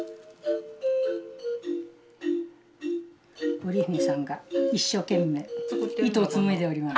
織姫さんが一生懸命糸を紡いでおります。